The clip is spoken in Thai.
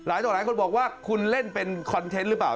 ต่อหลายคนบอกว่าคุณเล่นเป็นคอนเทนต์หรือเปล่า